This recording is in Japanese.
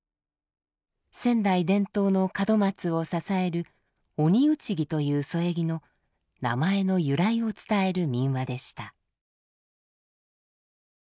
仙台伝統の門松を支える「鬼打ち木」という添え木の名前の由来を伝える民話でした。